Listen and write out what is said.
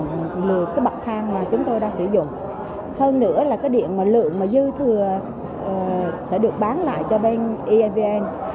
cái lượng bậc thang mà chúng tôi đã sử dụng hơn nữa là cái điện lượng mà dư thừa sẽ được bán lại cho bên eavn